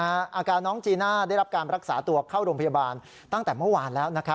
อาการน้องจีน่าได้รับการรักษาตัวเข้าโรงพยาบาลตั้งแต่เมื่อวานแล้ว